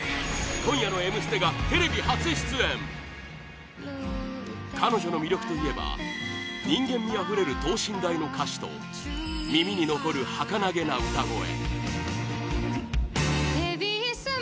今夜の「Ｍステ」がテレビ初出演彼女の魅力といえば人間みあふれる等身大の歌詞と耳に残る、はかなげな歌声